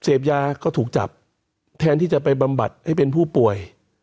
เสพยาก็ถูกจับแทนที่จะไปบำบัดให้เป็นผู้ป่วย